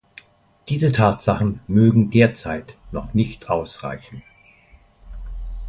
Diese Tatsachen mögen derzeit noch nicht ausreichen.